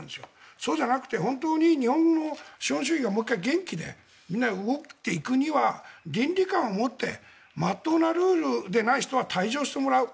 そうじゃなくて、本当に日本の資本主義がもう１回、元気でみんなで動いていくには倫理観を持って真っ当なルールでない人は退場してもらう。